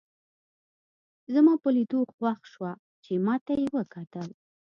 زما په لیدو خوښ شوه چې ما ته یې وکتل.